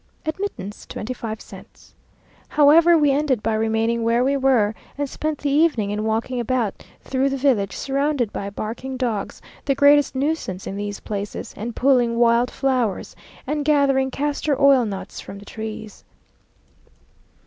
admittance twenty five cents. However, we ended by remaining where we were, and spent the evening in walking about through the village, surrounded by barking dogs, the greatest nuisance in these places, and pulling wild flowers, and gathering castor oil nuts from the trees.